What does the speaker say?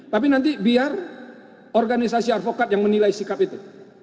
tapi nanti biar organisasi advokat yang menilai sikap itu